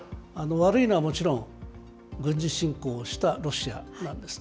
悪いのはもちろん、軍事侵攻したロシアなんですね。